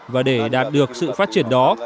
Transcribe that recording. và để đạt được sự phát triển đó